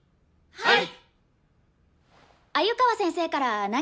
はい！